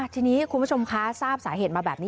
ทีนี้คุณผู้ชมคะทราบสาเหตุมาแบบนี้